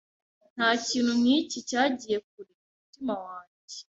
Ntakintu nkiki cyagiye kure mumutima wange